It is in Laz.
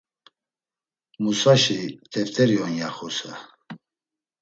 “Musaşi teft̆eri on.” ya Xuse.